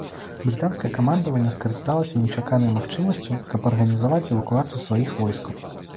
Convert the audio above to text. Брытанскае камандаванне скарысталася нечаканай магчымасцю, каб арганізаваць эвакуацыю сваіх войскаў.